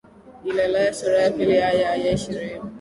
Galilaya sura ya pili aya ya ishirini